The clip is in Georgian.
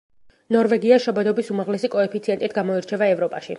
ნორვეგია შობადობის უმაღლესი კოეფიციენტით გამოირჩევა ევროპაში.